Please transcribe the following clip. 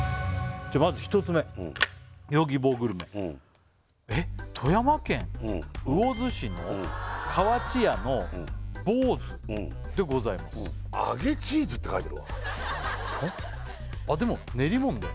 じゃあまず１つ目Ｙｏｇｉｂｏグルメえっ富山県魚津市の河内屋の棒Ｓでございます揚げチーズって書いてるわでも練り物だよ